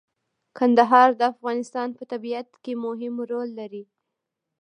کندهار د افغانستان په طبیعت کې مهم رول لري.